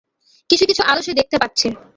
কিছু-কিছু আলো সে দেখতে পাচ্ছে।